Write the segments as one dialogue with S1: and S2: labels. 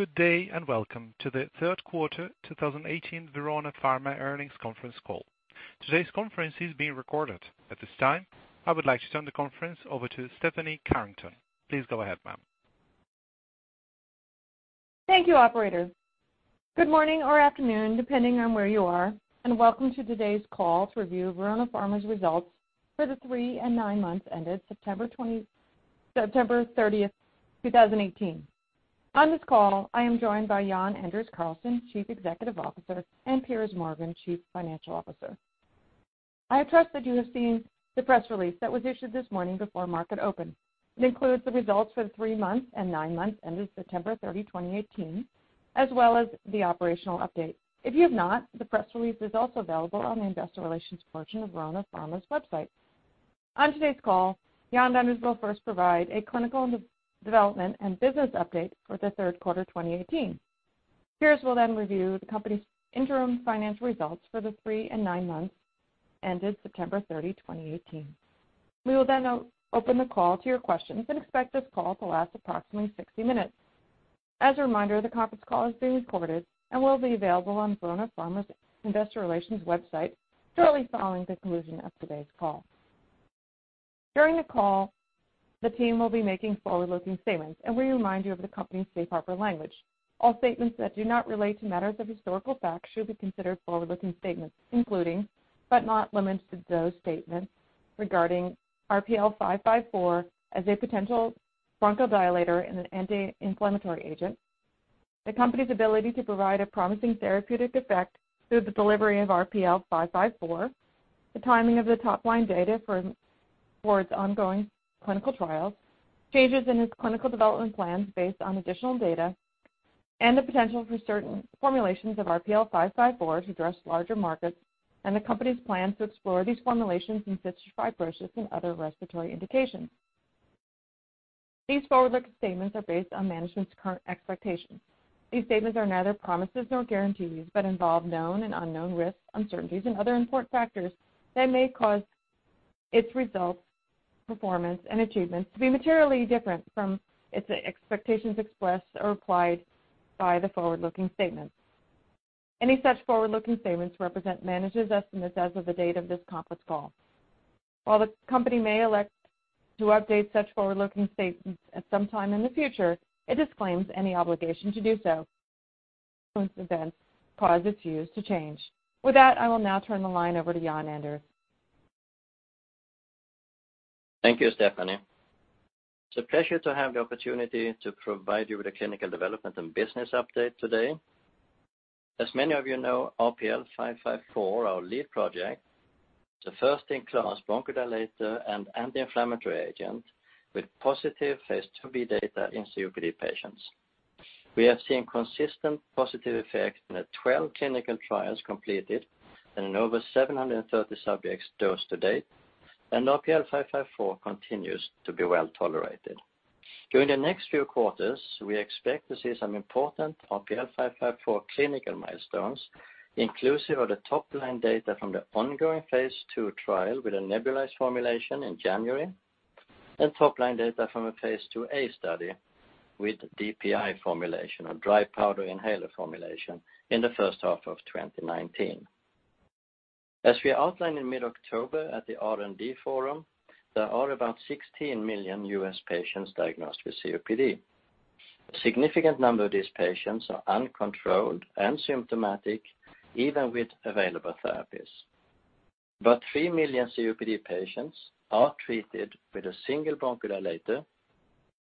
S1: Good day, welcome to the third quarter 2018 Verona Pharma Earnings Conference Call. Today's conference is being recorded. At this time, I would like to turn the conference over to Stephanie Carrington. Please go ahead, ma'am.
S2: Thank you, operator. Good morning or afternoon, depending on where you are, welcome to today's call to review Verona Pharma's results for the three and nine months ended September 30th, 2018. On this call, I am joined by Jan-Anders Karlsson, Chief Executive Officer, and Piers Morgan, Chief Financial Officer. I trust that you have seen the press release that was issued this morning before market open. It includes the results for the three months and nine months ended September 30, 2018, as well as the operational update. If you have not, the press release is also available on the investor relations portion of Verona Pharma's website. On today's call, Jan-Anders will first provide a clinical development and business update for the third quarter 2018. Piers will review the company's interim financial results for the three and nine months ended September 30, 2018. We will open the call to your questions and expect this call to last approximately 60 minutes. As a reminder, the conference call is being recorded and will be available on Verona Pharma's investor relations website shortly following the conclusion of today's call. During the call, the team will be making forward-looking statements, we remind you of the company's safe harbor language. All statements that do not relate to matters of historical fact should be considered forward-looking statements, including, not limited to, those statements regarding RPL554 as a potential bronchodilator and an anti-inflammatory agent, the company's ability to provide a promising therapeutic effect through the delivery of RPL554, the timing of the top-line data for its ongoing clinical trials, changes in its clinical development plans based on additional data, the potential for certain formulations of RPL554 to address larger markets, the company's plans to explore these formulations in cystic fibrosis and other respiratory indications. These forward-looking statements are based on management's current expectations. These statements are neither promises nor guarantees but involve known and unknown risks, uncertainties, and other important factors that may cause its results, performance, and achievements to be materially different from its expectations expressed or implied by the forward-looking statements. Any such forward-looking statements represent management's estimates as of the date of this conference call. While the company may elect to update such forward-looking statements at some time in the future, it disclaims any obligation to do so once events cause its views to change. With that, I will now turn the line over to Jan-Anders.
S3: Thank you, Stephanie. It's a pleasure to have the opportunity to provide you with a clinical development and business update today. As many of you know, RPL554, our lead project, is a first-in-class bronchodilator and anti-inflammatory agent with positive phase IIb data in COPD patients. We have seen consistent positive effects in the 12 clinical trials completed and in over 730 subjects dosed to date, and RPL554 continues to be well-tolerated. During the next few quarters, we expect to see some important RPL554 clinical milestones, inclusive of the top-line data from the ongoing phase II trial with a nebulized formulation in January and top-line data from a phase IIa study with DPI formulation, a dry powder inhaler formulation, in the first half of 2019. As we outlined in mid-October at the R&D Day, there are about 16 million U.S. patients diagnosed with COPD. A significant number of these patients are uncontrolled and symptomatic even with available therapies. But 3 million COPD patients are treated with a single bronchodilator,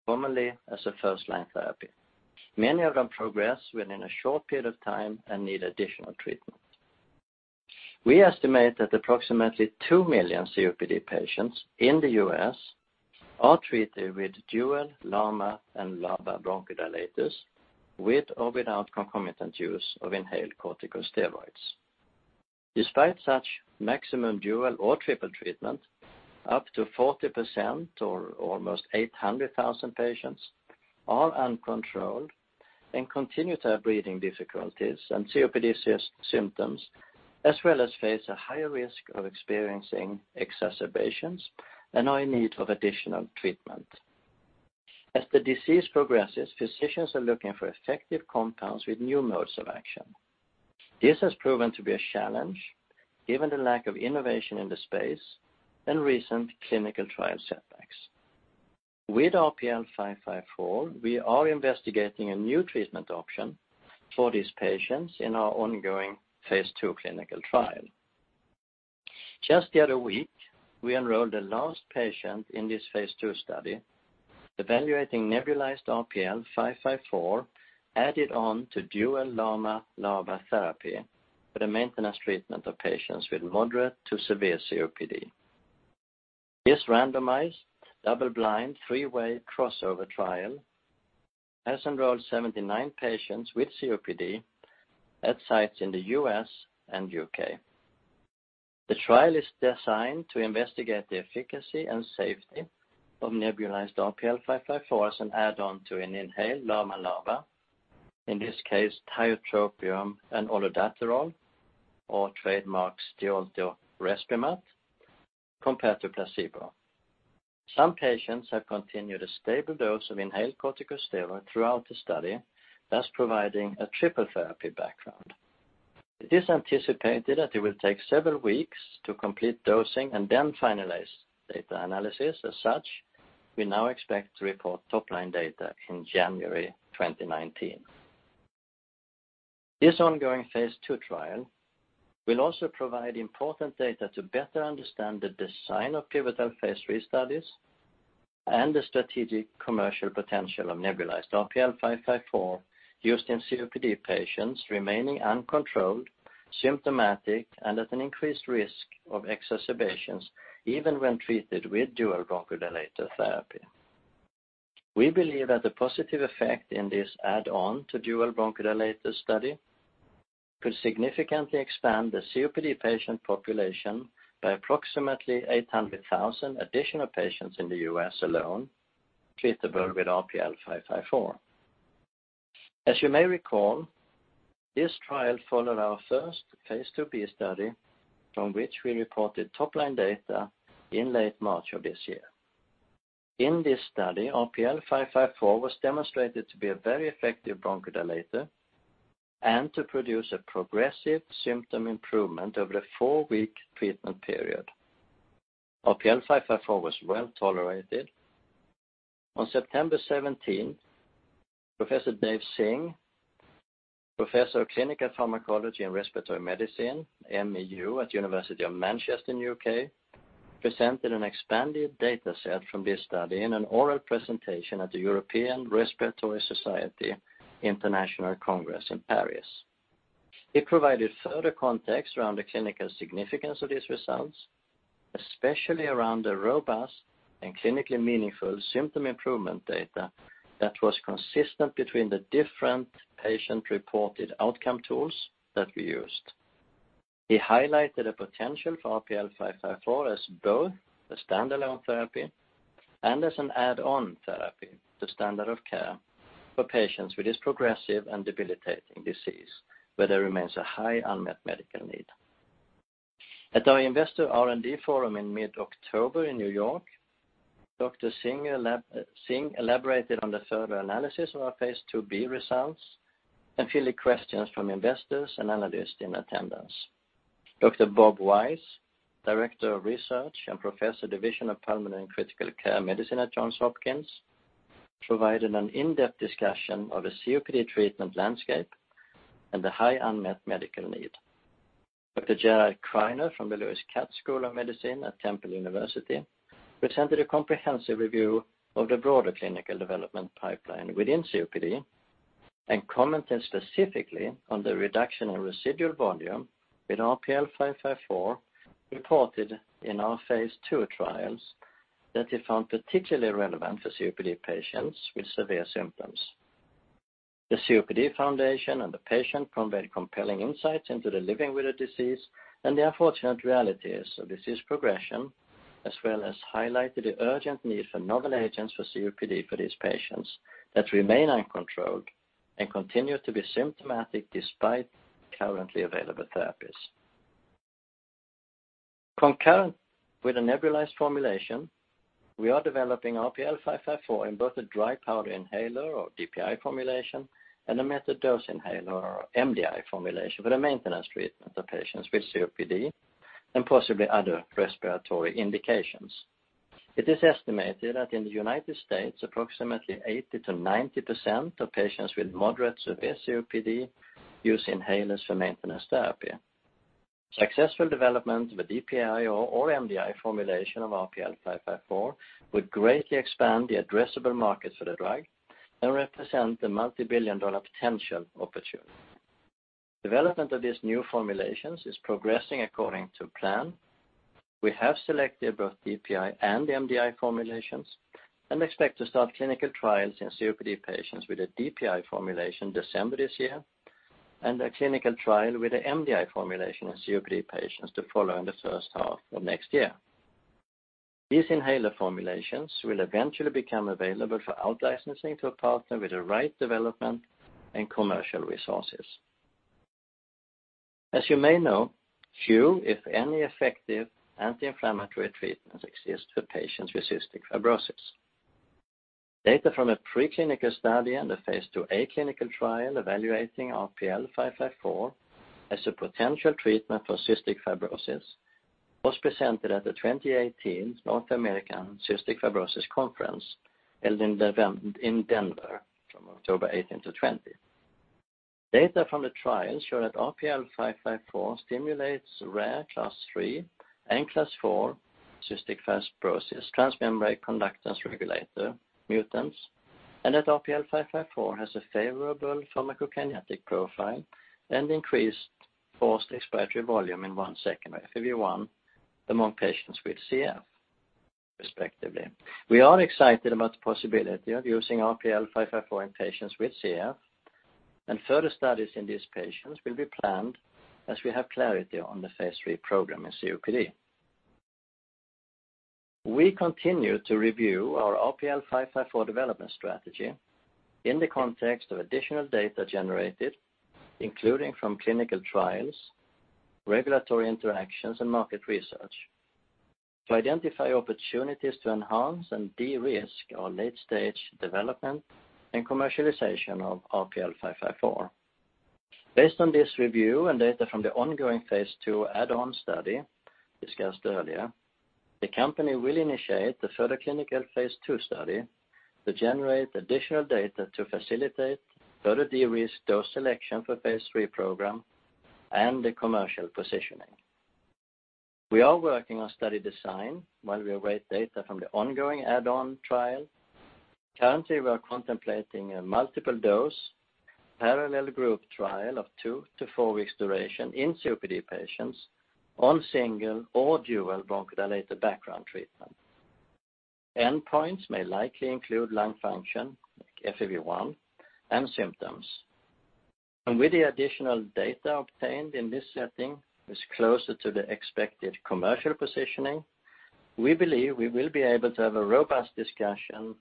S3: commonly as a first-line therapy. Many of them progress within a short period of time and need additional treatment. We estimate that approximately 2 million COPD patients in the U.S. are treated with dual LAMA and LABA bronchodilators, with or without concomitant use of inhaled corticosteroids. Despite such maximum dual or triple treatment, up to 40% or almost 800,000 patients are uncontrolled and continue to have breathing difficulties and COPD symptoms, as well as face a higher risk of experiencing exacerbations and are in need of additional treatment. As the disease progresses, physicians are looking for effective compounds with new modes of action. This has proven to be a challenge given the lack of innovation in the space and recent clinical trial setbacks. With RPL554, we are investigating a new treatment option for these patients in our ongoing phase II clinical trial. Just the other week, we enrolled the last patient in this phase II study evaluating nebulized RPL554 added on to dual LAMA-LABA therapy for the maintenance treatment of patients with moderate to severe COPD. This randomized, double-blind, three-way crossover trial has enrolled 79 patients with COPD at sites in the U.S. and U.K. The trial is designed to investigate the efficacy and safety of nebulized RPL554 as an add-on to an inhaled LAMA-LABA. In this case, tiotropium and olodaterol, or trademark Stiolto Respimat, compared to placebo. Some patients have continued a stable dose of inhaled corticosteroid throughout the study, thus providing a triple therapy background. It is anticipated that it will take several weeks to complete dosing and then finalize data analysis. As such, we now expect to report top-line data in January 2019. This ongoing phase II trial will also provide important data to better understand the design of pivotal phase III studies and the strategic commercial potential of nebulized RPL554 used in COPD patients remaining uncontrolled, symptomatic, and at an increased risk of exacerbations even when treated with dual bronchodilator therapy. We believe that the positive effect in this add-on to dual bronchodilator study could significantly expand the COPD patient population by approximately 800,000 additional patients in the U.S. alone treatable with RPL554. As you may recall, this trial followed our first phase II-B study, from which we reported top-line data in late March of this year. In this study, RPL554 was demonstrated to be a very effective bronchodilator and to produce a progressive symptom improvement over the four-week treatment period. RPL554 was well-tolerated. On September 17, Professor Dave Singh, professor of clinical pharmacology and respiratory medicine, MEU at University of Manchester in U.K., presented an expanded data set from this study in an oral presentation at the European Respiratory Society International Congress in Paris. It provided further context around the clinical significance of these results, especially around the robust and clinically meaningful symptom improvement data that was consistent between the different patient-reported outcome tools that we used. He highlighted a potential for RPL554 as both a standalone therapy and as an add-on therapy to standard of care for patients with this progressive and debilitating disease, where there remains a high unmet medical need. At our Investor R&D forum in mid-October in New York, Dr. Singh elaborated on the further analysis of our phase II-B results and fielded questions from investors and analysts in attendance. Dr. Bob Wise, director of research and professor, Division of Pulmonary and Critical Care Medicine at Johns Hopkins, provided an in-depth discussion of the COPD treatment landscape and the high unmet medical need. Dr. Gerard Criner from the Lewis Katz School of Medicine at Temple University presented a comprehensive review of the broader clinical development pipeline within COPD and commented specifically on the reduction in residual volume with RPL554 reported in our phase II trials that he found particularly relevant for COPD patients with severe symptoms. The COPD Foundation and the patient conveyed compelling insights into the living with the disease and the unfortunate realities of disease progression, as well as highlighted the urgent need for novel agents for COPD for these patients that remain uncontrolled and continue to be symptomatic despite currently available therapies. Concurrent with the nebulized formulation, we are developing RPL554 in both a dry powder inhaler or DPI formulation and a metered dose inhaler or MDI formulation for the maintenance treatment of patients with COPD and possibly other respiratory indications. It is estimated that in the United States, approximately 80%-90% of patients with moderate, severe COPD use inhalers for maintenance therapy. Successful development of a DPI or MDI formulation of RPL554 would greatly expand the addressable market for the drug and represent a multibillion-dollar potential opportunity. Development of these new formulations is progressing according to plan. We have selected both DPI and MDI formulations and expect to start clinical trials in COPD patients with a DPI formulation December this year, and a clinical trial with an MDI formulation in COPD patients to follow in the first half of next year. These inhaler formulations will eventually become available for out-licensing to a partner with the right development and commercial resources. As you may know, few, if any, effective anti-inflammatory treatments exist for patients with cystic fibrosis. Data from a preclinical study and a phase II-A clinical trial evaluating RPL554 as a potential treatment for cystic fibrosis was presented at the 2018 North American Cystic Fibrosis Conference held in Denver from October 18-20. Data from the trial show that RPL554 stimulates rare class III and class IV cystic fibrosis transmembrane conductance regulator mutants, and that RPL554 has a favorable pharmacokinetic profile and increased forced expiratory volume in one second, FEV1, among patients with CF, respectively. We are excited about the possibility of using RPL554 in patients with CF, and further studies in these patients will be planned as we have clarity on the phase III program in COPD. We continue to review our RPL554 development strategy in the context of additional data generated, including from clinical trials, regulatory interactions and market research to identify opportunities to enhance and de-risk our late-stage development and commercialization of RPL554. Based on this review and data from the ongoing phase II add-on study discussed earlier, the company will initiate the further clinical phase II study to generate additional data to facilitate further de-risk dose selection for phase III program and the commercial positioning. We are working on study design while we await data from the ongoing add-on trial. Currently, we are contemplating a multiple dose parallel group trial of 2-4 weeks duration in COPD patients on single or dual bronchodilator background treatment. Endpoints may likely include lung function, FEV1, and symptoms. With the additional data obtained in this setting is closer to the expected commercial positioning. We believe we will be able to have a robust discussion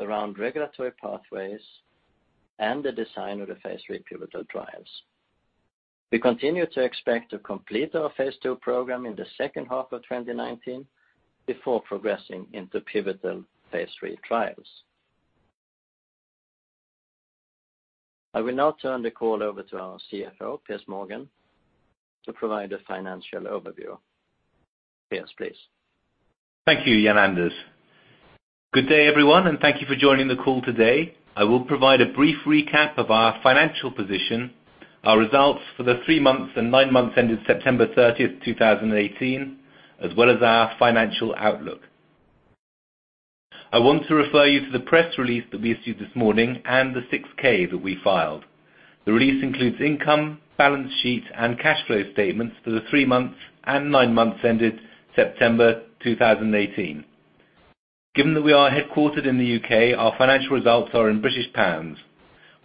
S3: around regulatory pathways and the design of the phase III pivotal trials. We continue to expect to complete our phase II program in the second half of 2019 before progressing into pivotal phase III trials. I will now turn the call over to our CFO, Piers Morgan, to provide a financial overview. Piers, please.
S4: Thank you, Jan-Anders. Good day, everyone, and thank you for joining the call today. I will provide a brief recap of our financial position, our results for the three months and nine months ended September 30, 2018, as well as our financial outlook. I want to refer you to the press release that we issued this morning and the 6-K that we filed. The release includes income, balance sheet, and cash flow statements for the three months and nine months ended September 2018. Given that we are headquartered in the U.K., our financial results are in GBP.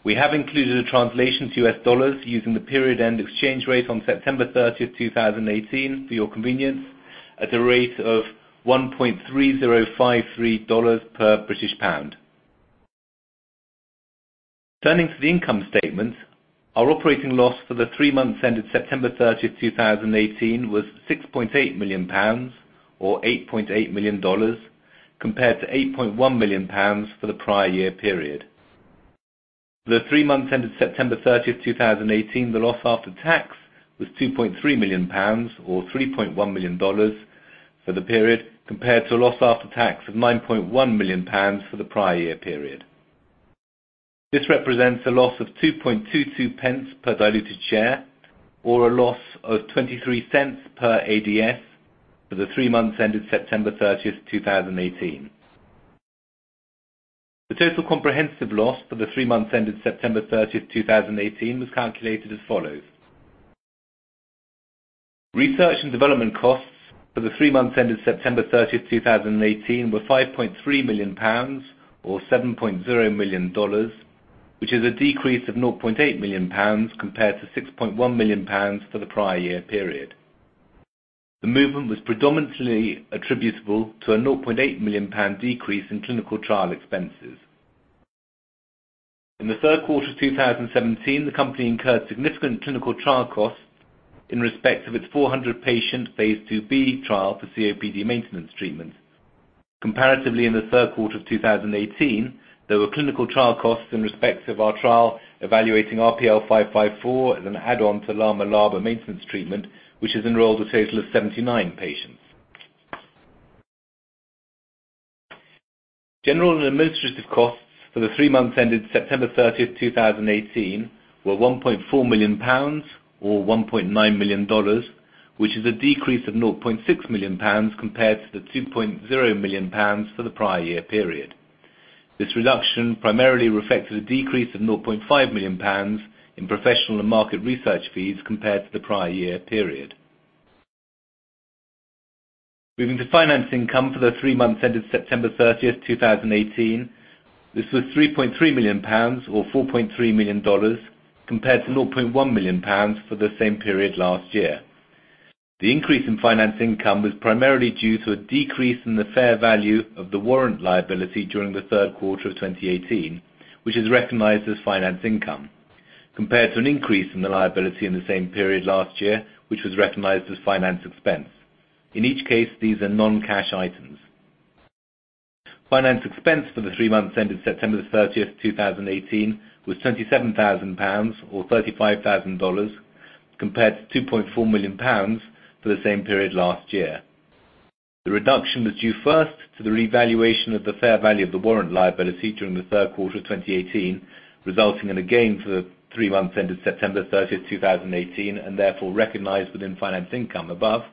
S4: We have included a translation to US dollars using the period end exchange rate on September 30, 2018, for your convenience at a rate of $1.3053 per British pound. Turning to the income statement, our operating loss for the three months ended September 30th, 2018, was 6.8 million pounds or $8.8 million, compared to 8.1 million pounds for the prior year period. For the three months ended September 30th, 2018, the loss after tax was 2.3 million pounds or $3.1 million for the period, compared to a loss after tax of 9.1 million pounds for the prior year period. This represents a loss of 0.0222 per diluted share, or a loss of $0.23 per ADS for the three months ended September 30th, 2018. The total comprehensive loss for the three months ended September 30th, 2018, was calculated as follows. Research and development costs for the three months ended September 30th, 2018, were 5.3 million pounds or $7.0 million, which is a decrease of 0.8 million pounds compared to 6.1 million pounds for the prior year period. The movement was predominantly attributable to a 0.8 million pound decrease in clinical trial expenses. In the third quarter of 2017, the company incurred significant clinical trial costs in respect of its 400 patient phase II-B trial for COPD maintenance treatments. Comparatively, in the third quarter of 2018, there were clinical trial costs in respect of our trial evaluating RPL554 as an add-on to LAMA-LABA maintenance treatment, which has enrolled a total of 79 patients. General and administrative costs for the three months ended September 30th, 2018, were 1.4 million pounds or $1.9 million, which is a decrease of 0.6 million pounds compared to the 2.0 million pounds for the prior year period. This reduction primarily reflected a decrease of 0.5 million pounds in professional and market research fees compared to the prior year period. Moving to finance income for the three months ended September 30th, 2018. This was 3.3 million pounds or $4.3 million, compared to 0.1 million pounds for the same period last year. The increase in finance income was primarily due to a decrease in the fair value of the warrant liability during the third quarter of 2018, which is recognized as finance income, compared to an increase in the liability in the same period last year, which was recognized as finance expense. In each case, these are non-cash items. Finance expense for the three months ended September 30th, 2018, was 27,000 pounds or $35,000, compared to 2.4 million pounds for the same period last year. The reduction was due first to the revaluation of the fair value of the warrant liability during the third quarter of 2018, resulting in a gain for the three months ended September 30th, 2018, and therefore recognized within finance income above,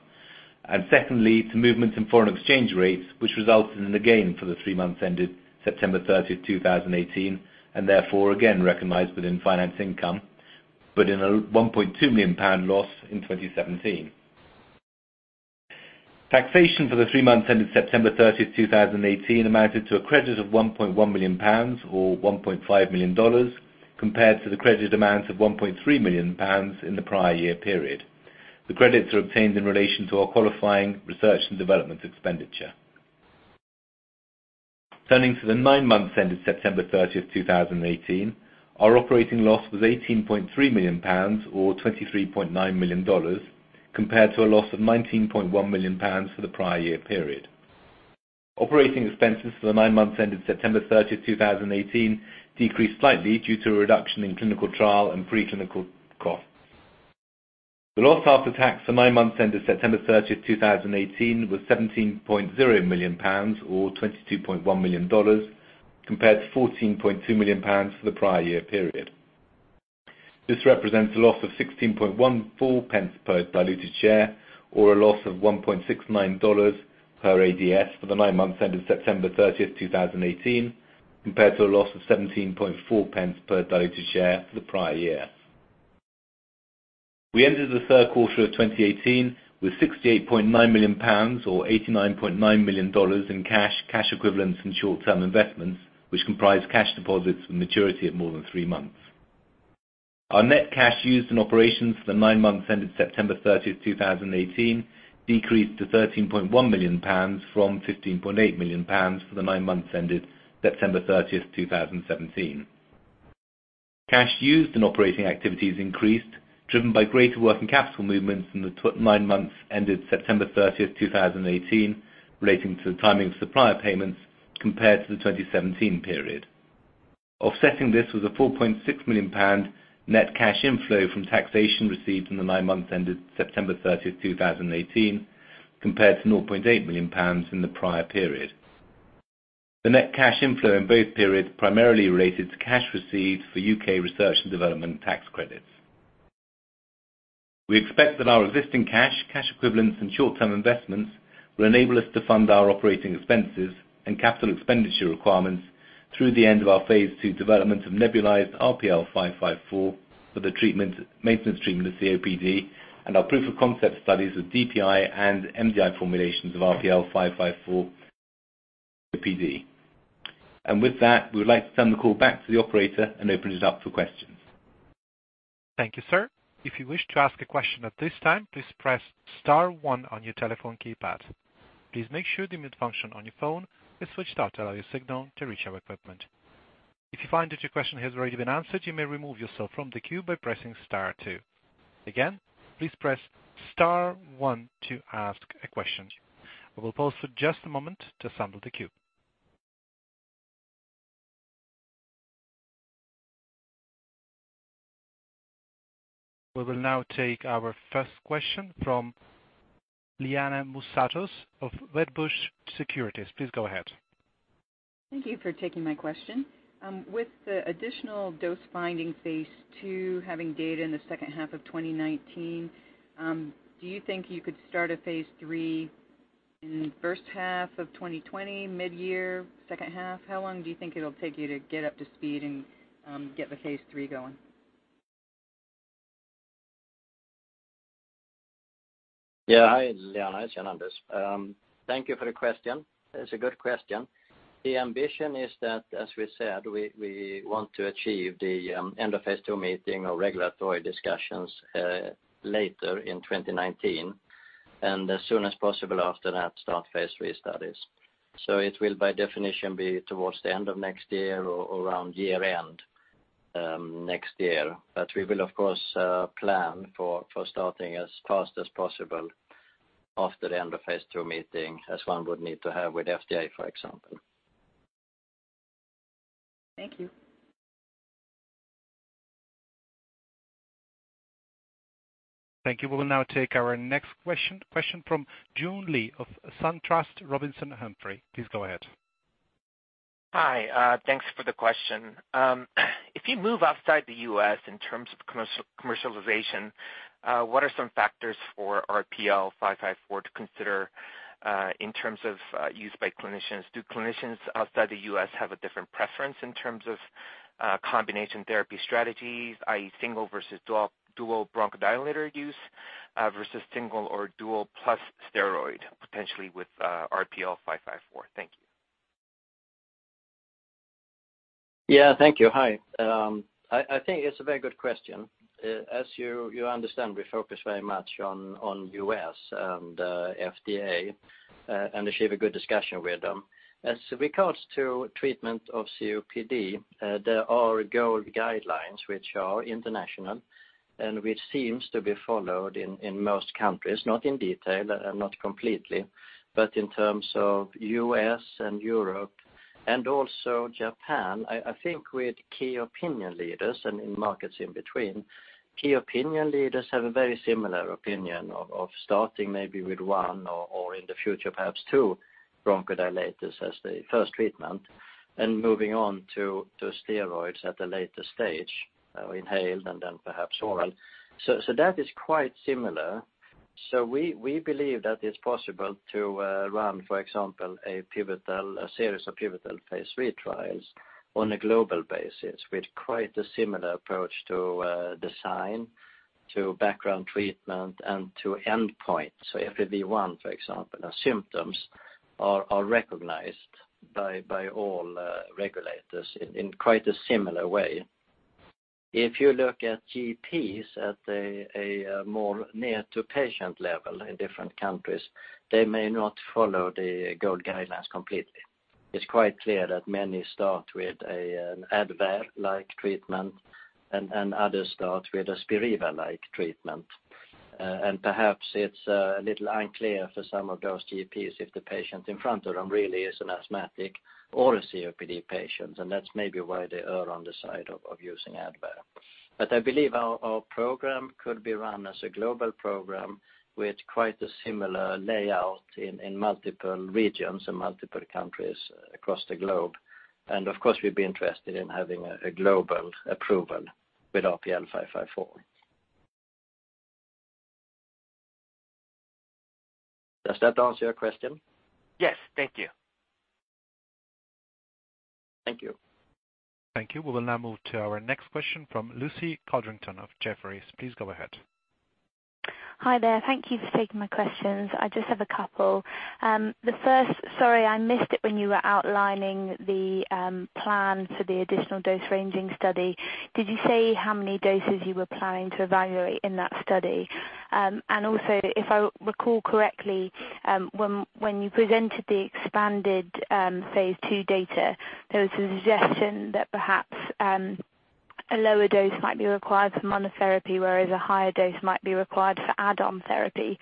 S4: and secondly, to movements in foreign exchange rates, which resulted in a gain for the three months ended September 30th, 2018, and therefore again recognized within finance income, but in a 1.2 million pound loss in 2017. Taxation for the three months ended September 30th, 2018, amounted to a credit of 1.1 million pounds or $1.5 million, compared to the credit amount of 1.3 million pounds in the prior year period. The credits are obtained in relation to our qualifying research and development expenditure. Turning to the nine months ended September 30th, 2018, our operating loss was 18.3 million pounds or $23.9 million, compared to a loss of 19.1 million pounds for the prior year period. Operating expenses for the nine months ended September 30th, 2018 decreased slightly due to a reduction in clinical trial and pre-clinical costs. The loss after tax for nine months ended September 30th, 2018 was 17.0 million pounds or $22.1 million, compared to 14.2 million pounds for the prior year period. This represents a loss of 0.1614 per diluted share, or a loss of $1.69 per ADS for the nine months ended September 30th, 2018, compared to a loss of 0.174 per diluted share for the prior year. We entered the third quarter of 2018 with 68.9 million pounds or $89.9 million in cash equivalents, and short-term investments, which comprise cash deposits with maturity of more than three months. Our net cash used in operations for the nine months ended September 30th, 2018 decreased to GBP 13.1 million from GBP 15.8 million for the nine months ended September 30th, 2017. Cash used in operating activities increased, driven by greater working capital movements in the nine months ended September 30th, 2018, relating to the timing of supplier payments compared to the 2017 period. Offsetting this was a 4.6 million pound net cash inflow from taxation received in the nine months ended September 30th, 2018 compared to 0.8 million pounds in the prior period. The net cash inflow in both periods primarily related to cash received for U.K. research and development tax credits. We expect that our existing cash equivalents, and short-term investments will enable us to fund our operating expenses and capital expenditure requirements through the end of our phase II development of nebulized RPL554 for the maintenance treatment of COPD and our proof of concept studies with DPI and MDI formulations of RPL554 for COPD. With that, we would like to turn the call back to the operator and open it up for questions.
S1: Thank you, sir. If you wish to ask a question at this time, please press *1 on your telephone keypad. Please make sure the mute function on your phone is switched off to allow your signal to reach our equipment. If you find that your question has already been answered, you may remove yourself from the queue by pressing *2. Again, please press *1 to ask a question. We will pause for just a moment to assemble the queue. We will now take our first question from Liana Moussatos of Wedbush Securities. Please go ahead.
S5: Thank you for taking my question. With the additional dose finding phase II having data in the second half of 2019, do you think you could start a phase III in the first half of 2020, midyear, second half? How long do you think it'll take you to get up to speed and get the phase III going?
S3: Yeah. Hi, Liana. It's Jan-Anders. Thank you for the question. It's a good question. The ambition is that, as we said, we want to achieve the end of phase II meeting or regulatory discussions later in 2019. As soon as possible after that, start phase III studies. It will by definition be towards the end of next year or around year-end next year. We will of course plan for starting as fast as possible after the end of phase II meeting, as one would need to have with FDA, for example.
S5: Thank you.
S1: Thank you. We will now take our next question from Joon Lee of SunTrust Robinson Humphrey. Please go ahead.
S6: Hi. Thanks for the question. If you move outside the U.S. in terms of commercialization, what are some factors for RPL554 to consider in terms of use by clinicians? Do clinicians outside the U.S. have a different preference in terms of combination therapy strategies, i.e., single versus dual bronchodilator use versus single or dual plus steroid potentially with RPL554? Thank you.
S3: Thank you. Hi. I think it's a very good question. As you understand, we focus very much on U.S. and FDA, and achieve a good discussion with them. As regards to treatment of COPD, there are GOLD guidelines, which are international and which seems to be followed in most countries, not in detail and not completely. In terms of U.S. and Europe and also Japan, I think with key opinion leaders and in markets in between, key opinion leaders have a very similar opinion of starting maybe with one or in the future perhaps two bronchodilators as the first treatment, and moving on to steroids at a later stage, inhaled and then perhaps oral. That is quite similar.
S4: We believe that it's possible to run, for example, a series of pivotal phase III trials on a global basis with quite a similar approach to design, to background treatment, and to endpoint. FEV1, for example, or symptoms are recognized by all regulators in quite a similar way.
S3: If you look at GPs at a more near to patient level in different countries, they may not follow the GOLD guidelines completely. It's quite clear that many start with an ADVAIR-like treatment and others start with a SPIRIVA-like treatment. Perhaps it's a little unclear for some of those GPs if the patient in front of them really is an asthmatic or a COPD patient, and that's maybe why they err on the side of using ADVAIR. I believe our program could be run as a global program with quite a similar layout in multiple regions and multiple countries across the globe. Of course, we'd be interested in having a global approval with RPL554. Does that answer your question?
S6: Yes. Thank you.
S3: Thank you.
S1: Thank you. We will now move to our next question from Lucy Codrington of Jefferies. Please go ahead.
S7: Hi there. Thank you for taking my questions. I just have a couple. The first, sorry, I missed it when you were outlining the plan for the additional dose-ranging study. Did you say how many doses you were planning to evaluate in that study? Also, if I recall correctly, when you presented the expanded phase II data, there was a suggestion that perhaps a lower dose might be required for monotherapy, whereas a higher dose might be required for add-on therapy.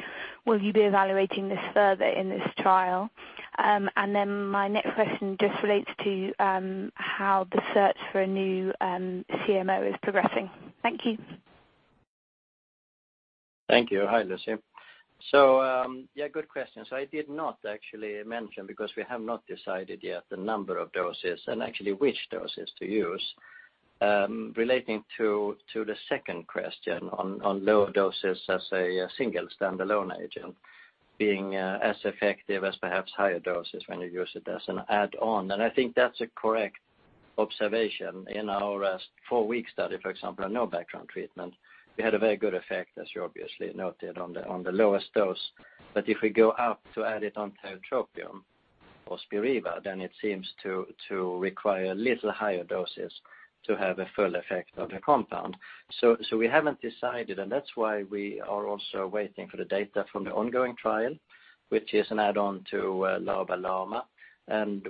S7: Will you be evaluating this further in this trial? My next question just relates to how the search for a new CMO is progressing. Thank you.
S3: Thank you. Hi, Lucy. Yeah, good question. I did not actually mention because we have not decided yet the number of doses and actually which doses to use. Relating to the second question on lower doses as a single standalone agent being as effective as perhaps higher doses when you use it as an add-on. I think that's a correct observation. In our four-week study, for example, on no background treatment, we had a very good effect, as you obviously noted, on the lowest dose. If we go up to add it on tiotropium or SPIRIVA, then it seems to require a little higher doses to have a full effect of the compound. We haven't decided, and that's why we are also waiting for the data from the ongoing trial, which is an add-on to LABA-LAMA.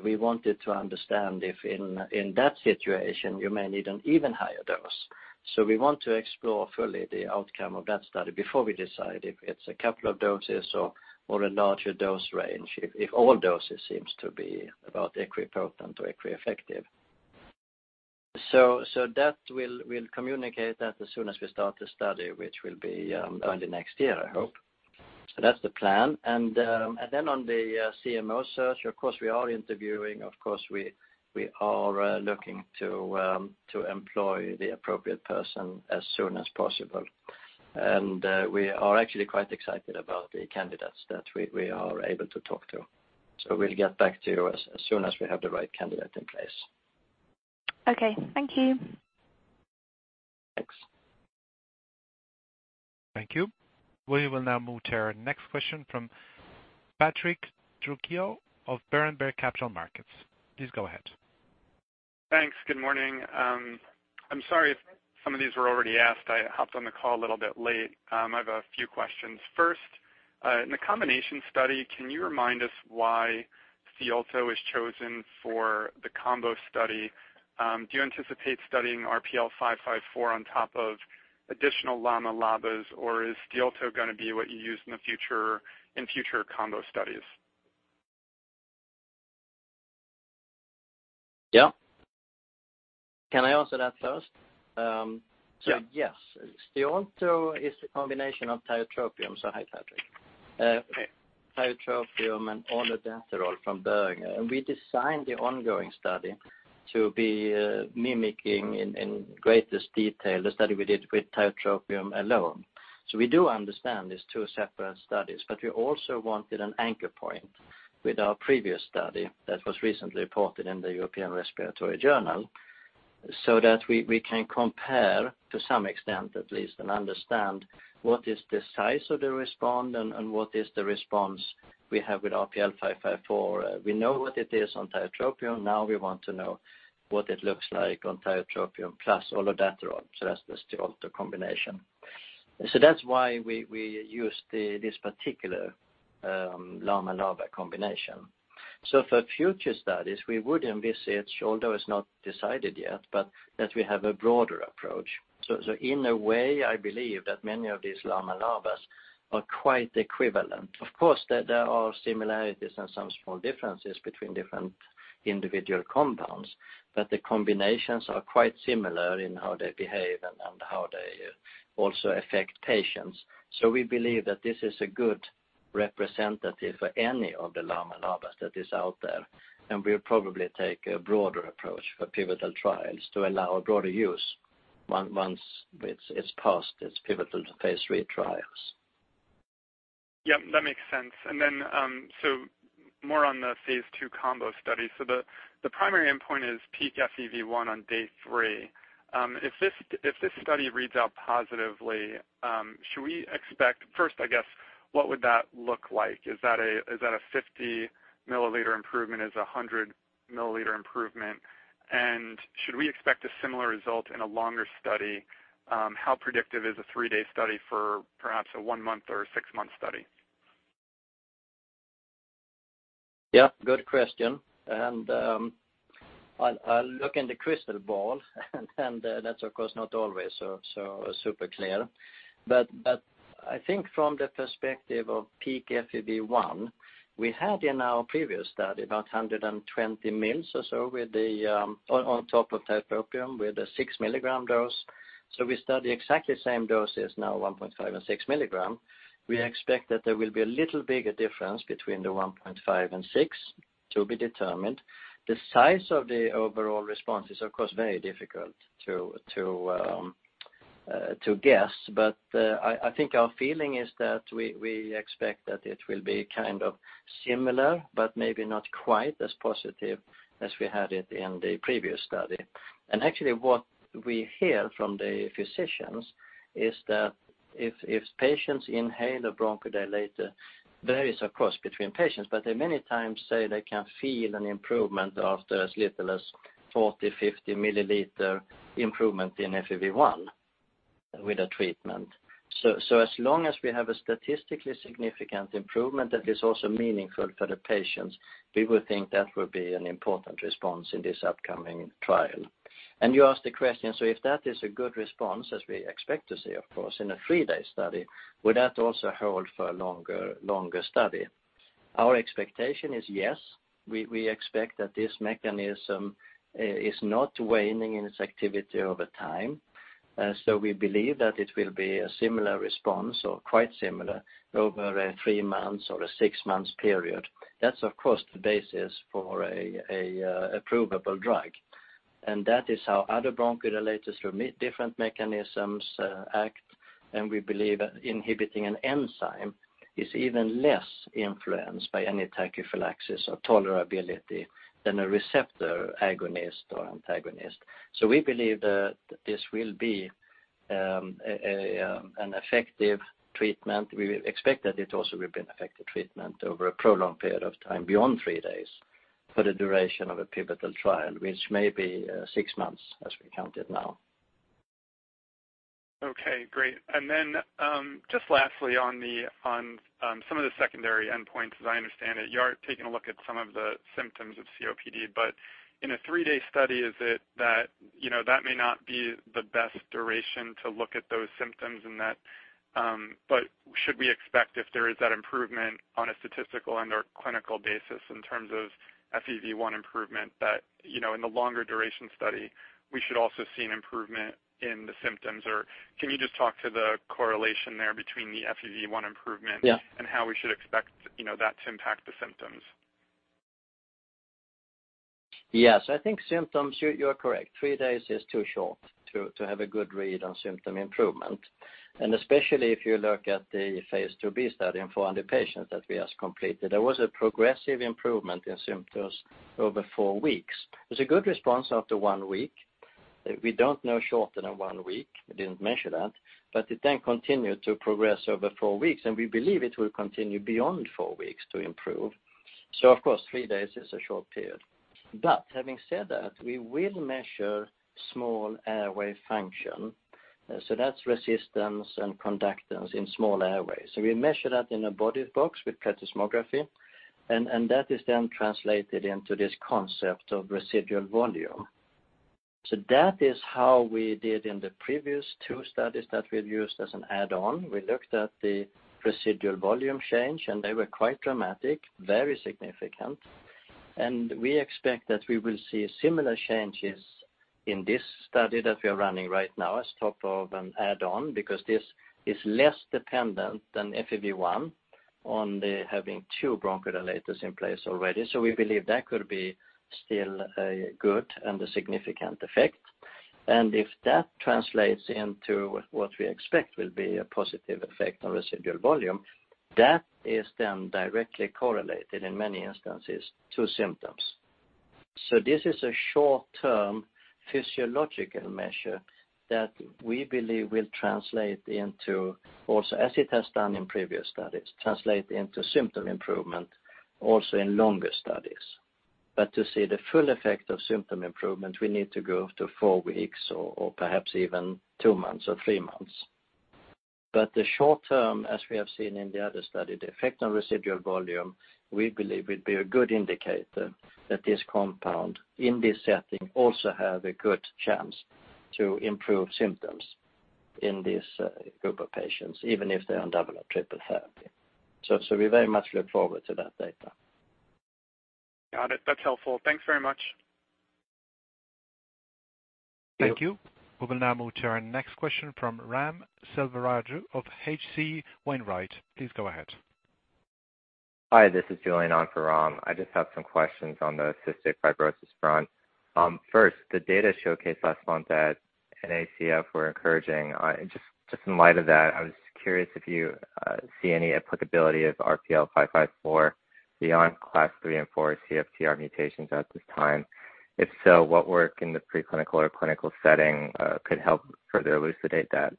S3: We wanted to understand if in that situation, you may need an even higher dose. We want to explore fully the outcome of that study before we decide if it's a couple of doses or a larger dose range. If all doses seems to be about equipotent or equieffective. That we'll communicate that as soon as we start the study, which will be early next year, I hope. That's the plan. On the CMO search, of course we are interviewing. Of course, we are looking to employ the appropriate person as soon as possible. We are actually quite excited about the candidates that we are able to talk to. We'll get back to you as soon as we have the right candidate in place.
S7: Okay. Thank you.
S3: Thanks.
S1: Thank you. We will now move to our next question from Patrick Trucchio of Berenburg Capital Markets. Please go ahead.
S8: Thanks. Good morning. I'm sorry if some of these were already asked. I hopped on the call a little bit late. I have a few questions. First, in the combination study, can you remind us why STIOLTO is chosen for the combo study? Do you anticipate studying RPL554 on top of additional LAMA-LABAs, or is STIOLTO going to be what you use in future combo studies?
S3: Yeah. Can I answer that first?
S8: Yeah.
S3: Yes. STIOLTO is a combination of tiotropium. Hi, Patrick.
S8: Hey.
S3: Tiotropium and olodaterol from Boehringer. We designed the ongoing study to be mimicking in greatest detail the study we did with tiotropium alone. We do understand it's two separate studies, but we also wanted an anchor point with our previous study that was recently reported in the European Respiratory Journal, that we can compare to some extent at least, and understand what is the size of the response and what is the response we have with RPL554. We know what it is on tiotropium. Now we want to know what it looks like on tiotropium plus olodaterol. That's STIOLTO combination. That's why we used this particular LAMA-LABA combination. For future studies, we would envisage, although it's not decided yet, but that we have a broader approach. In a way, I believe that many of these LAMA-LABAs are quite equivalent. Of course, there are similarities and some small differences between different individual compounds, but the combinations are quite similar in how they behave and how they also affect patients. We believe that this is a good representative for any of the LAMA-LABAs that is out there, and we'll probably take a broader approach for pivotal trials to allow broader use once it's passed its pivotal phase III trials.
S8: Yeah, that makes sense. More on the phase II combo study. The primary endpoint is peak FEV1 on day 3. If this study reads out positively, first, I guess, what would that look like? Is that a 50-milliliter improvement? Is it 100-milliliter improvement? Should we expect a similar result in a longer study? How predictive is a 3-day study for perhaps a 1-month or a 6-month study?
S3: Yeah, good question. I'll look in the crystal ball and that's of course not always so super clear. I think from the perspective of peak FEV1, we had in our previous study about 120 mils or so on top of tiotropium with a 6-milligram dose. We study exactly the same dose as now, 1.5 and 6 milligram. We expect that there will be a little bigger difference between the 1.5 and 6 to be determined. The size of the overall response is of course very difficult to guess. I think our feeling is that we expect that it will be kind of similar, but maybe not quite as positive as we had it in the previous study. Actually, what we hear from the physicians is that if patients inhale a bronchodilator, varies of course, between patients, but they many times say they can feel an improvement after as little as 40, 50 milliliter improvement in FEV1 with a treatment. As long as we have a statistically significant improvement that is also meaningful for the patients, we would think that would be an important response in this upcoming trial. You asked the question, if that is a good response, as we expect to see, of course, in a 3-day study, would that also hold for a longer study? Our expectation is yes. We expect that this mechanism is not waning in its activity over time. We believe that it will be a similar response or quite similar over a 3 months or a 6 months period. That's of course, the basis for an approvable drug. That is how other bronchodilators from different mechanisms act, we believe inhibiting an enzyme is even less influenced by any tachyphylaxis or tolerability than a receptor agonist or antagonist. We believe that this will be an effective treatment. We expect that it also will be an effective treatment over a prolonged period of time beyond three days for the duration of a pivotal trial, which may be six months as we count it now.
S8: Okay, great. Then, just lastly on some of the secondary endpoints, as I understand it, you are taking a look at some of the symptoms of COPD. In a three-day study, that may not be the best duration to look at those symptoms in that. Should we expect if there is that improvement on a statistical and/or clinical basis in terms of FEV1 improvement, that in the longer duration study, we should also see an improvement in the symptoms? Can you just talk to the correlation there between the FEV1 improvement-
S3: Yeah
S8: How we should expect that to impact the symptoms?
S3: Yes. I think symptoms, you are correct. Three days is too short to have a good read on symptom improvement. Especially if you look at the phase IIb study in 400 patients that we just completed. There was a progressive improvement in symptoms over four weeks. We don't know shorter than one week. We didn't measure that. It then continued to progress over four weeks, we believe it will continue beyond four weeks to improve. Of course, three days is a short period. Having said that, we will measure small airway function. That's resistance and conductance in small airways. We measure that in a body box with plethysmography, and that is then translated into this concept of residual volume. That is how we did in the previous two studies that we've used as an add-on. We looked at the residual volume change, and they were quite dramatic, very significant. We expect that we will see similar changes in this study that we are running right now as top of an add-on because this is less dependent than FEV1 on the having two bronchodilators in place already. We believe that could be still a good and a significant effect. If that translates into what we expect will be a positive effect on residual volume, that is then directly correlated in many instances to symptoms. This is a short-term physiological measure that we believe will translate into also, as it has done in previous studies, translate into symptom improvement also in longer studies. To see the full effect of symptom improvement, we need to go up to four weeks or perhaps even two months or three months. The short term, as we have seen in the other study, the effect on residual volume, we believe will be a good indicator that this compound in this setting also have a good chance to improve symptoms in this group of patients, even if they're on double or triple therapy. We very much look forward to that data.
S8: Got it. That's helpful. Thanks very much.
S3: Thank you.
S1: Thank you. We will now move to our next question from Ram Selvaraju of H.C. Wainwright. Please go ahead.
S9: Hi, this is Julian on for Ram. I just have some questions on the cystic fibrosis front. First, the data showcased last month at NACFC were encouraging. Just in light of that, I was curious if you see any applicability of RPL554 beyond Class 3 and 4 CFTR mutations at this time. If so, what work in the preclinical or clinical setting could help further elucidate that?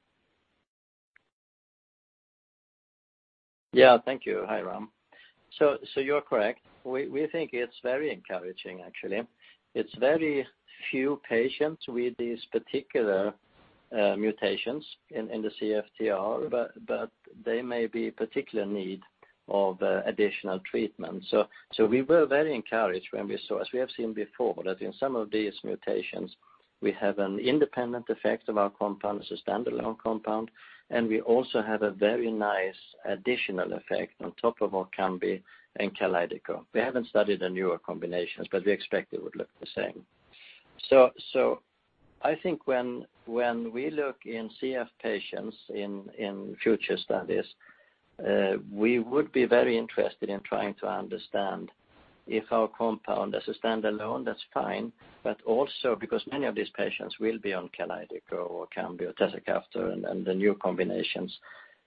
S3: Yeah. Thank you. Hi, Ram. You're correct. We think it's very encouraging, actually. It's very few patients with these particular mutations in the CFTR, but they may be particular need of additional treatment. We were very encouraged when we saw, as we have seen before, that in some of these mutations, we have an independent effect of our compound as a standalone compound, and we also have a very nice additional effect on top of ORKAMBI and KALYDECO. We haven't studied the newer combinations, but we expect it would look the same. I think when we look in CF patients in future studies, we would be very interested in trying to understand if our compound as a standalone, that's fine, but also because many of these patients will be on KALYDECO or ORKAMBI or tezacaftor and the new combinations,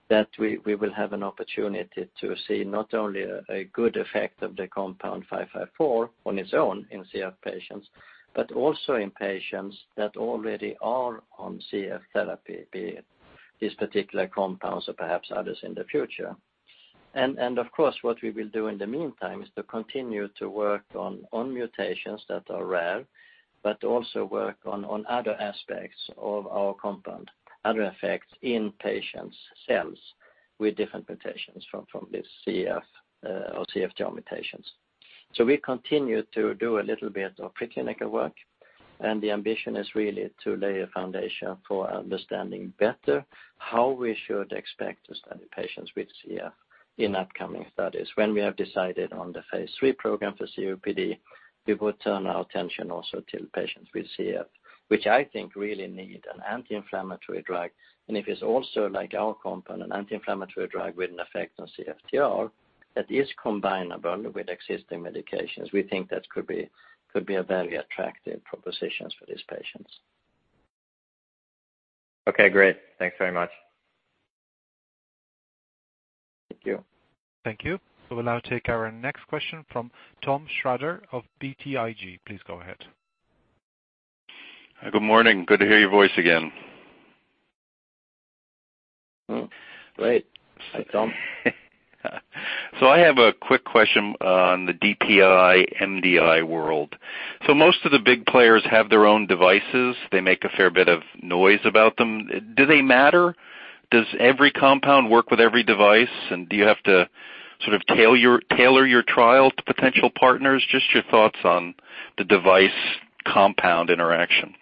S3: that we will have an opportunity to see not only a good effect of the compound 554 on its own in CF patients, but also in patients that already are on CF therapy, be it these particular compounds or perhaps others in the future. Of course, what we will do in the meantime is to continue to work on mutations that are rare, but also work on other aspects of our compound, other effects in patients' cells with different mutations from these CF or CFTR mutations. We continue to do a little bit of preclinical work, and the ambition is really to lay a foundation for understanding better how we should expect to study patients with CF in upcoming studies. When we have decided on the phase III program for COPD, we will turn our attention also to patients with CF, which I think really need an anti-inflammatory drug. If it's also like our compound, an anti-inflammatory drug with an effect on CFTR that is combinable with existing medications, we think that could be a very attractive propositions for these patients.
S9: Okay, great. Thanks very much.
S3: Thank you.
S1: Thank you. We'll now take our next question from Thomas Shrader of BTIG. Please go ahead.
S10: Good morning. Good to hear your voice again.
S3: Great. Hi, Tom.
S10: I have a quick question on the DPI MDI world. Most of the big players have their own devices. They make a fair bit of noise about them. Do they matter? Does every compound work with every device? Do you have to sort of tailor your trial to potential partners? Just your thoughts on the device compound interaction.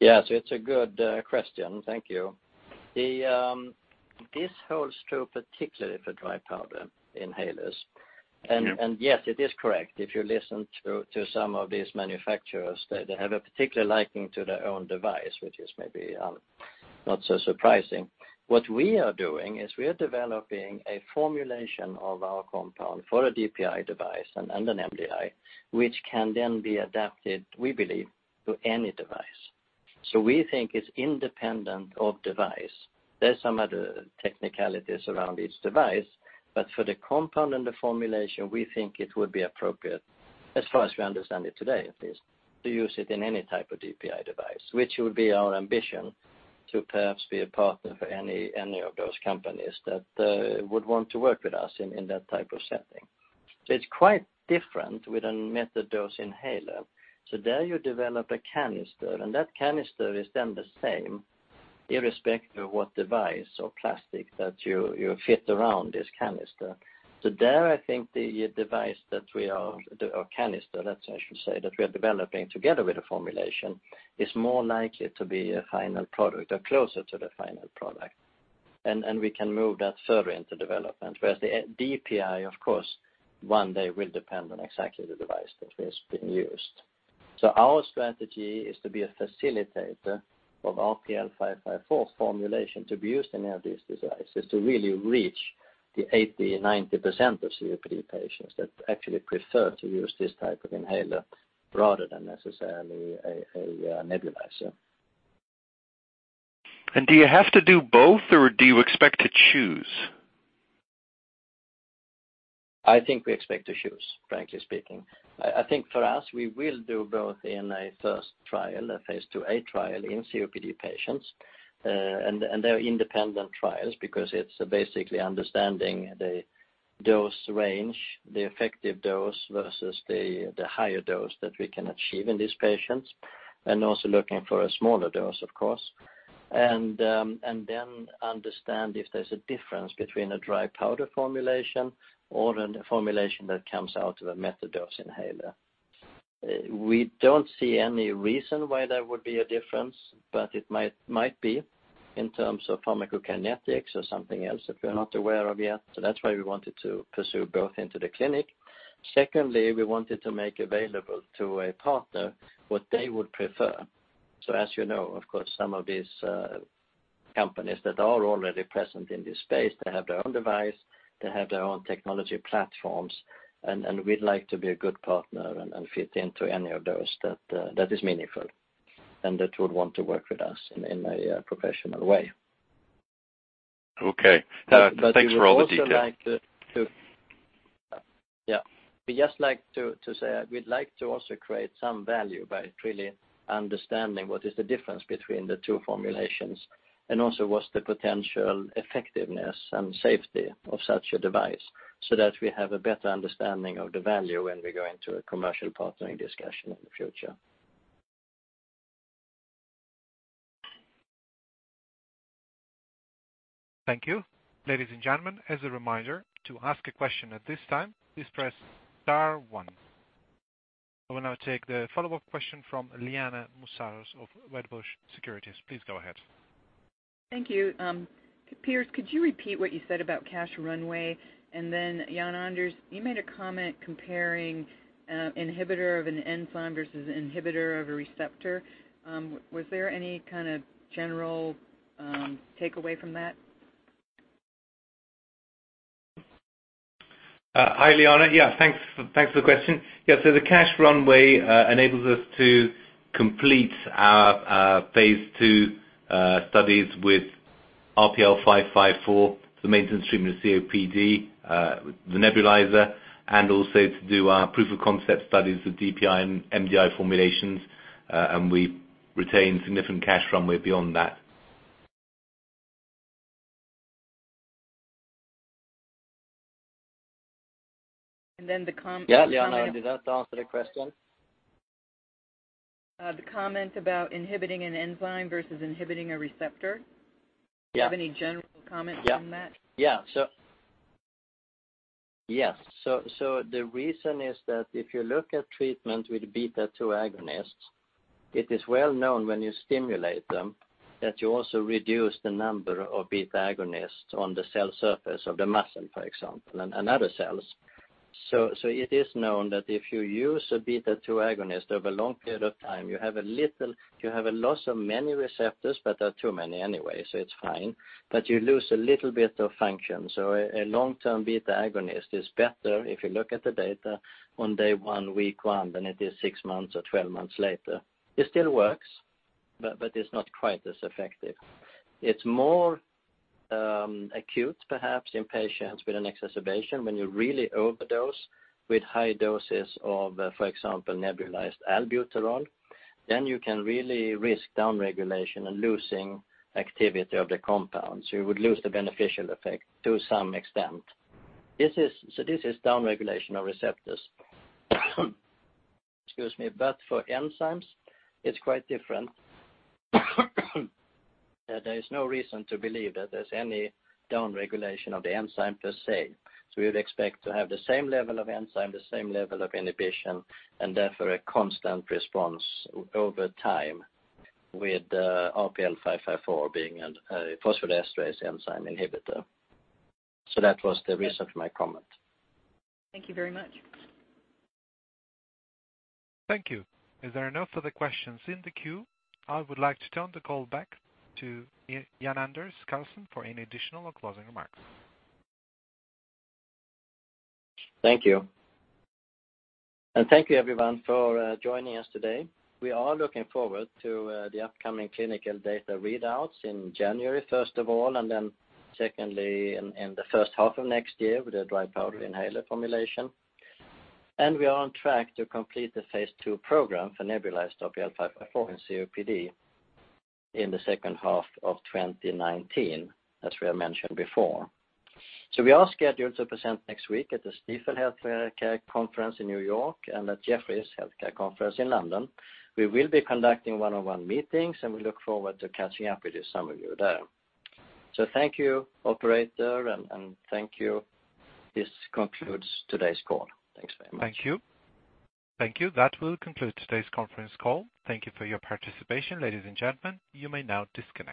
S3: Yes, it's a good question. Thank you. This holds true particularly for dry powder inhalers.
S10: Okay.
S3: Yes, it is correct. If you listen to some of these manufacturers, they have a particular liking to their own device, which is maybe not so surprising. What we are doing is we are developing a formulation of our compound for a DPI device and an MDI, which can then be adapted, we believe, to any device. We think it's independent of device. There's some other technicalities around each device, but for the compound and the formulation, we think it would be appropriate, as far as we understand it today, at least, to use it in any type of DPI device, which would be our ambition to perhaps be a partner for any of those companies that would want to work with us in that type of setting. It's quite different with a metered dose inhaler. There you develop a canister, and that canister is then the same irrespective of what device or plastic that you fit around this canister. There, I think the device that we are or canister, I should say, that we are developing together with a formulation is more likely to be a final product or closer to the final product. We can move that further into development. Whereas the DPI, of course, one day will depend on exactly the device that is being used. Our strategy is to be a facilitator of RPL554 formulation to be used in any of these devices to really reach the 80%-90% of COPD patients that actually prefer to use this type of inhaler rather than necessarily a nebulizer.
S10: Do you have to do both, or do you expect to choose?
S3: I think we expect to choose, frankly speaking. I think for us, we will do both in a first trial, a phase IIa trial in COPD patients. They're independent trials because it's basically understanding the dose range, the effective dose versus the higher dose that we can achieve in these patients, and also looking for a smaller dose, of course. Then understand if there's a difference between a dry powder formulation or a formulation that comes out of a metered dose inhaler. We don't see any reason why there would be a difference, but it might be in terms of pharmacokinetics or something else that we're not aware of yet. That's why we wanted to pursue both into the clinic. Secondly, we wanted to make available to a partner what they would prefer. As you know, of course, some of these companies that are already present in this space, they have their own device, they have their own technology platforms, and we'd like to be a good partner and fit into any of those that is meaningful and that would want to work with us in a professional way.
S10: Okay. Thanks for all the details.
S3: We just like to say we'd like to also create some value by really understanding what is the difference between the two formulations, and also what's the potential effectiveness and safety of such a device, so that we have a better understanding of the value when we go into a commercial partnering discussion in the future.
S1: Thank you. Ladies and gentlemen, as a reminder, to ask a question at this time, please press star one. I will now take the follow-up question from Liana Moussatos of Wedbush Securities. Please go ahead.
S5: Thank you. Piers, could you repeat what you said about cash runway? Then Jan-Anders, you made a comment comparing inhibitor of an enzyme versus inhibitor of a receptor. Was there any kind of general takeaway from that?
S4: Hi, Liana. Yeah, thanks for the question. Yeah. The cash runway enables us to complete our phase II studies with RPL554 for maintenance treatment of COPD, the nebulizer, and also to do our proof of concept studies with DPI and MDI formulations. We retain significant cash runway beyond that.
S5: Then the comment-
S3: Yeah, Liana, did that answer the question?
S5: The comment about inhibiting an enzyme versus inhibiting a receptor.
S3: Yeah.
S5: Do you have any general comments on that?
S3: Yeah. The reason is that if you look at treatment with beta-two agonists, it is well known when you stimulate them that you also reduce the number of beta-agonists on the cell surface of the muscle, for example, and other cells. It is known that if you use a beta-two agonist over a long period of time, you have a loss of many receptors, but there are too many anyway, so it's fine. You lose a little bit of function. A long-term beta-agonist is better if you look at the data on day one, week one, than it is six months or 12 months later. It still works, but it's not quite as effective. It's more acute, perhaps, in patients with an exacerbation when you really overdose with high doses of, for example, nebulized albuterol. You can really risk downregulation and losing activity of the compound. You would lose the beneficial effect to some extent. This is downregulation of receptors. Excuse me. But for enzymes, it's quite different. There is no reason to believe that there's any downregulation of the enzyme per se. We would expect to have the same level of enzyme, the same level of inhibition, and therefore a constant response over time with RPL554 being a phosphodiesterase enzyme inhibitor. That was the reason for my comment.
S5: Thank you very much.
S1: Thank you. As there are no further questions in the queue, I would like to turn the call back to Jan-Anders Karlsson for any additional or closing remarks.
S3: Thank you. Thank you everyone for joining us today. We are looking forward to the upcoming clinical data readouts in January, first of all, and then secondly, in the first half of next year with the dry powder inhaler formulation. We are on track to complete the phase II program for nebulized RPL554 in COPD in the second half of 2019, as we have mentioned before. We are scheduled to present next week at the Stifel Healthcare Conference in New York and at Jefferies Healthcare Conference in London. We will be conducting one-on-one meetings, and we look forward to catching up with some of you there. Thank you, operator, and thank you. This concludes today's call. Thanks very much.
S1: Thank you. Thank you. That will conclude today's conference call. Thank you for your participation, ladies and gentlemen. You may now disconnect.